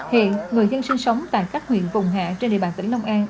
hiện người dân sinh sống tại các huyện vùng hạ trên địa bàn tỉnh long an